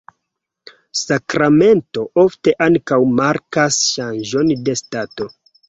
Sakramento ofte ankaŭ markas ŝanĝon de stato.